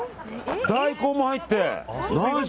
大根も入って。